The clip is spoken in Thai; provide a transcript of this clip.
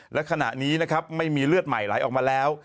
และขณะนี้นะครับไม่มีเลือดใหม่ไหลออกมาแล้ว